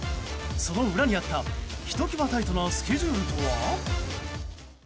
その裏にあったひときわタイトなスケジュールとは？